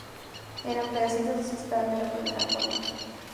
Eran sólo pedacitos o estaban desde la primera toma".